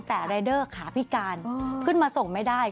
แต่รายเด้อค่ะพี่กานขึ้นมาส่งไม่ได้